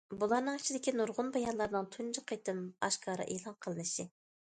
بۇلارنىڭ ئىچىدىكى نۇرغۇن بايانلارنىڭ تۇنجى قېتىم ئاشكارا ئېلان قىلىنىشى.